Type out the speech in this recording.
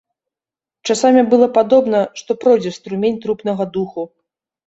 Часамі было падобна, што пройдзе струмень трупнага духу.